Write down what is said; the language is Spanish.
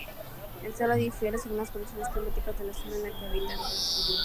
El celo difiere según las condiciones climáticas de la zona en que habitan.